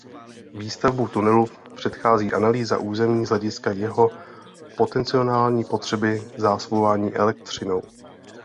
Výstavbu tunelu předchází analýza území z hlediska jeho potenciální potřeby zásobování elektřinou.